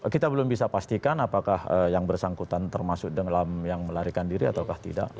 kita belum bisa pastikan apakah yang bersangkutan termasuk yang melarikan diri atau tidak